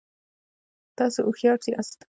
تاسو هوښیار یاست